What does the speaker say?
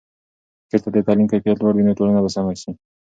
که چېرته د تعلیم کیفیت لوړ وي، نو ټولنه به سمه سي.